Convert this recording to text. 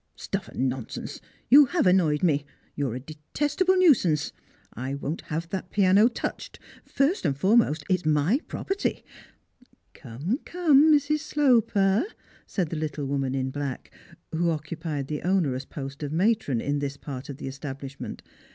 " Stuff and nonsense! You have annoyed me; you're a detestable nuisance. I won't have that piano touched. First and foremost, it's my property "" Come, come, ]\Irs. Sloper,'' said the little woman in black, who occupied the onerous post of matron in this part of the establishment.